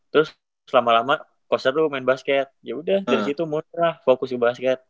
terus selama lama poster lu main basket ya udah dari situ mulai lah fokus ke basket